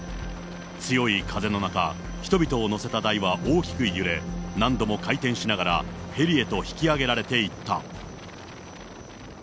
強い風の中、人々を乗せた台は大きく揺れ、何度も回転しながらヘリへと引き上げられていった。